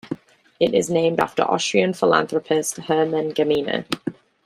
It is named after Austrian philanthropist Hermann Gmeiner.